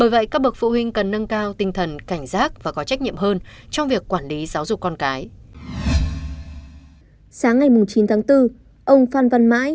với tư cách là trung tâm của tp hcm